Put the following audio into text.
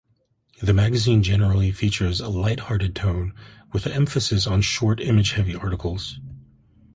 The magazine generally features a light-hearted tone, with an emphasis on short, image-heavy articles.